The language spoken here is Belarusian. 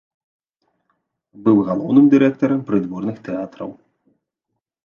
Быў галоўным дэкаратарам прыдворных тэатраў.